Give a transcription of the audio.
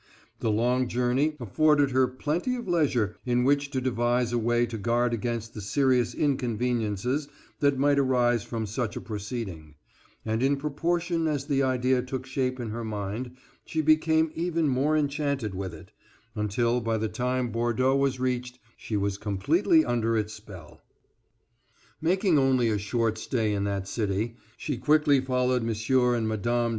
The long journey afforded her plenty of leisure in which to devise a way to guard against the serious inconveniences that might arise from such a proceeding; and in proportion as the idea took shape in her mind she became ever more enchanted with it, until by the time Bordeaux was reached she was completely under its spell. Making only a short stay in that city, she quickly followed M. and Mme.